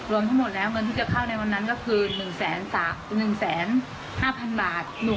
รวมทั้งหมดแล้วเงินที่จะเข้าในวันนั้นก็คือ๑๕๐๐๐บาท